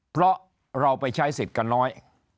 เพราะเราไปใช้สิทธิ์กันน้อย